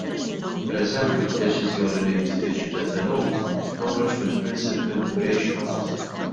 Pereżempju d-deċiżjoni li inti tiġi detenut toħroġ mill-Principal Immigration Office.